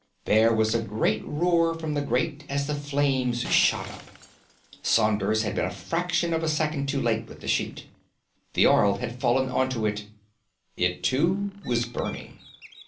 There was a great roar from the grate as the flames shot up. Saunders had been a fraction of a second too late with the sheet. The oil had fallen on to it. It, too, was burning.